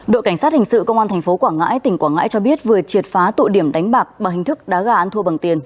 đội cảnh sát hình sự công an tp hcm cho biết vừa triệt phá tội điểm đánh bạc bằng hình thức đá gà ăn thua bằng tiền